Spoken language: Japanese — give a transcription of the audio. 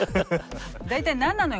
大体何なのよ？